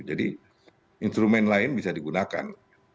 jadi instrumen lain bisa digunakan